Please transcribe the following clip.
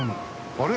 あれ？